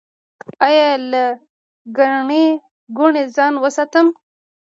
ایا له ګڼې ګوڼې ځان وساتم؟